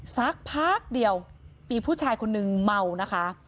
สักพักเดียวมีผู้ชายคนนึงเมานะคะ